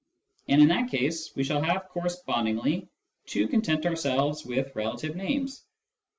And in that case we shall have, correspondingly to content ourselves with " relative names."